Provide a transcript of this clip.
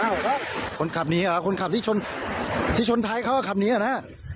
อ้าวคนขับนี้อ่ะคนขับที่ชนท้ายเขาก็ขับนี้อ่ะนะ